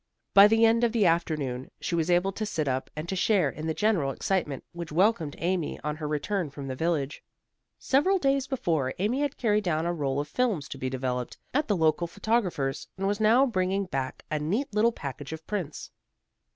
By the end of the afternoon she was able to sit up and to share in the general excitement which welcomed Amy on her return from the village. Several days before, Amy had carried down a roll of films to be developed at the local photographer's, and was now bringing back a neat little package of prints.